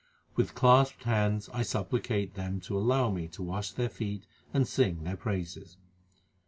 With clasped hands I supplicate them To allow me to wash their feet and sing their praises.